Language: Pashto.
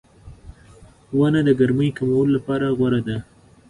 • ونه د ګرمۍ کمولو لپاره غوره ده.